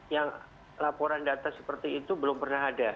yang laporan data seperti itu belum pernah ada